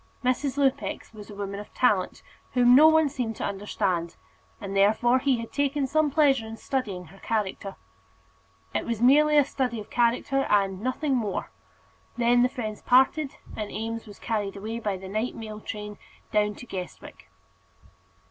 Mrs. Lupex was a woman of talent, whom no one seemed to understand, and, therefore, he had taken some pleasure in studying her character. It was merely a study of character, and nothing more. Then the friends parted, and Eames was carried away by the night mail train down to Guestwick.